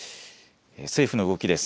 政府の動きです。